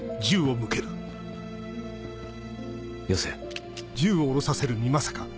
よせ。